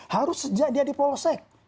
harus sejak dia dipolosek